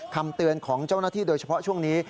คำเตือนของเจ้าหน้าที่โดยเฉพาะช่วงนี้